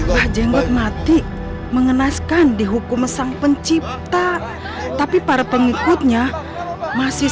wah jenggot mati mengenaskan dihukum sang pencipta tapi para pengikutnya masih